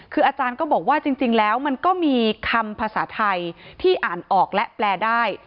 คืออาจารย์ก็บอกว่าจริงแล้วมันก็มีคำภาษาไทยที่อ่านออกและแปลได้